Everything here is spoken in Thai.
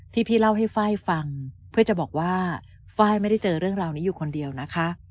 พี่เล่าให้ไฟล์ฟังเพื่อจะบอกว่าไฟล์ไม่ได้เจอเรื่องราวนี้อยู่คนเดียวนะคะ